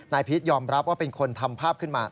พีชยอมรับว่าเป็นคนทำภาพขึ้นมา